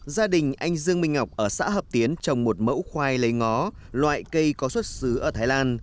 gia đình anh dương minh ngọc ở xã hợp tiến trồng một mẫu khoai lấy ngó loại cây có xuất xứ ở thái lan